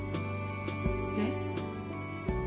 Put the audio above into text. えっ？